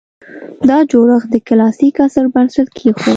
دا جوړښت د کلاسیک عصر بنسټ کېښود